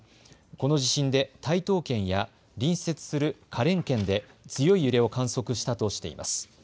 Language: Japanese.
この地震で台東県や隣接する花蓮県で強い揺れを観測したとしています。